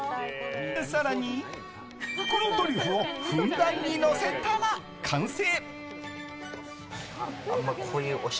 更に、黒トリュフをふんだんにのせたら完成。